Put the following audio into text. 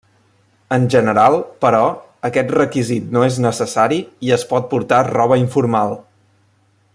En general, però, aquest requisit no és necessari i es pot portar roba informal.